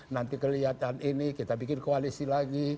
nanti kelihatan ini kita bikin koalisi lagi